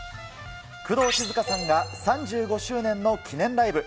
工藤静香さんが３５周年の記念ライブ。